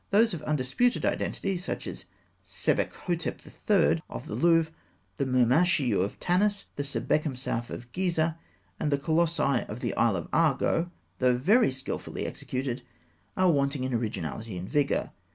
Those of undisputed identity, such as the Sebekhotep III. of the Louvre, the Mermashiû of Tanis, the Sebekemsaf of Gizeh, and the colossi of the Isle of Argo, though very skilfully executed, are wanting in originality and vigour.